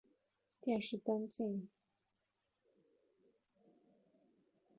殿试登进士第三甲第四十二名。